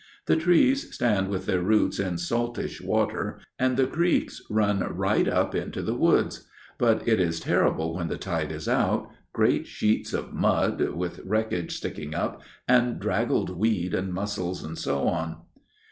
The trees stand with their roots in saltish water, and the creeks run right up into the woods. But it is terrible when the tide is out great sheets of mud, with wreckage sticking up, and draggled weed, and mussels, and so on.